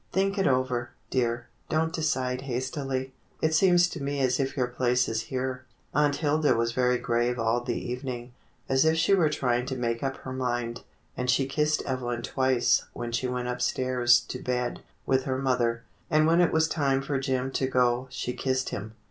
"Think it over, dear; don't decide hastily. It seems to me as if your place is here." Aunt Hilda was very grave all the evening, as if she were trying to make up her mind, and she kissed Evelyn twice when she went upstairs to bed with her mother, and when it was time for Jim to go she kissed him.